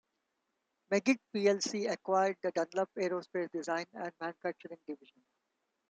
Meggitt plc acquired the Dunlop Aerospace Design and Manufacturing division.